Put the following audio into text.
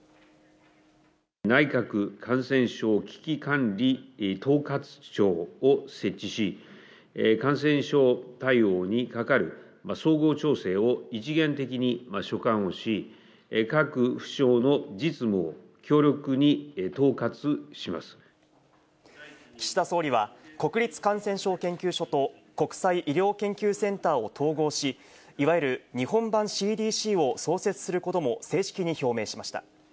内閣感染症危機管理統括庁を設置し、感染症対応にかかる総合調整を一元的に所管をし、岸田総理は、国立感染症研究所と国際医療研究センターを統合し、いわゆる日本版ＣＤＣを創設することも正式に表明しました。